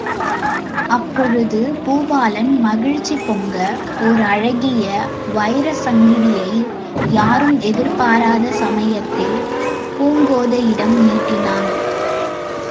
அப்பொழுது பூபாலன் மகிழ்ச்சி பொங்க, ஓர் அழகிய வைரச்சங்கிலியை யாரும் எதிர்பாராத சமயத்தில் பூங்கோதையிடம் நீட்டினான்.